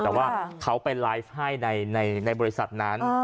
แต่ว่าเขาไปไลฟ์ให้ในบริษัทนั้น